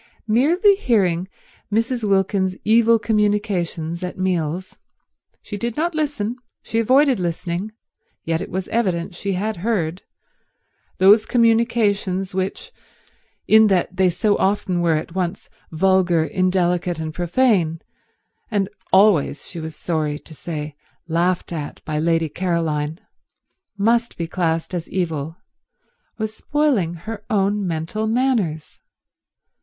Merely hearing Mrs. Wilkins's evil communications at meals—she did not listen, she avoided listening, yet it was evident she had heard—those communications which, in that they so often were at once vulgar, indelicate and profane, and always, she was sorry to say, laughed at by Lady Caroline, must be classed as evil, was spoiling her own mental manners.